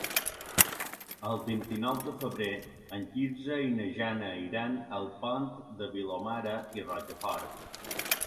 El vint-i-nou de febrer en Quirze i na Jana iran al Pont de Vilomara i Rocafort.